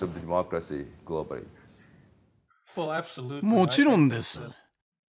もちろんです。